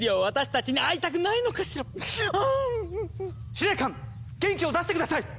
司令官元気を出して下さい！